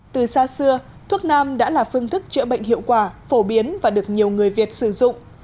từ xa xưa thuốc nam đã là phương thức chữa bệnh hiệu quả phổ biến và được nhiều người việt sử dụng